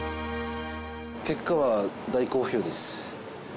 結果は大好評です。